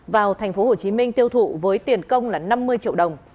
vào thành phố hồ chí minh tiêu thụ với tiền công là năm mươi triệu đồng